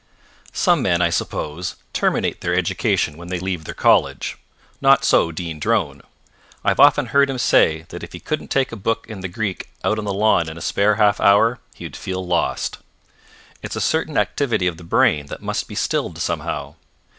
Some men, I suppose, terminate their education when they leave their college. Not so Dean Drone. I have often heard him say that if he couldn't take a book in the Greek out on the lawn in a spare half hour, he would feel lost. It's a certain activity of the brain that must be stilled somehow.